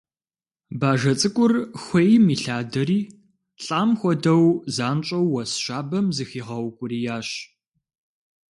Бажэ цӀыкӀур хуейм илъадэри, лӀам хуэдэу, занщӀэу уэс щабэм зыхигъэукӀуриящ.